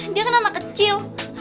dia kan anak kecil